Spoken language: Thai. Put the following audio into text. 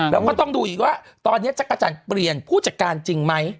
แล้วก็ต้องดูอีกว่าตอนนี้จักรจันทร์เปลี่ยนผู้จัดการจริงไหม